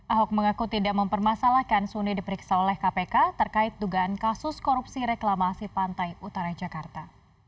ahok mengaku tidak mempermasalahkan suni diperiksa oleh kpk terkait dugaan kasus korupsi reklamasi pantai utara jakarta